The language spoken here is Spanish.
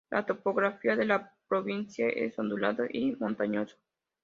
La topografía de la provincia es ondulado y montañoso.